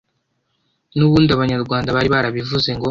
Nubundi Abanyarwanda bari barabivuze ngo: